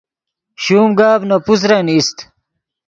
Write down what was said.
شوم گپ نے پوسرن ایست